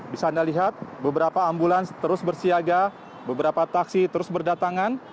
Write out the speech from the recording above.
bisa anda lihat beberapa ambulans terus bersiaga beberapa taksi terus berdatangan